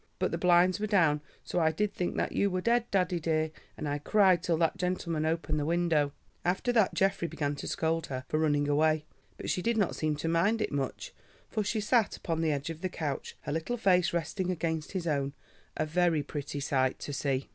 But the blinds were down, so I did think that you were dead, daddie dear, and I cried till that gentleman opened the window." After that Geoffrey began to scold her for running away, but she did not seem to mind it much, for she sat upon the edge of the couch, her little face resting against his own, a very pretty sight to see.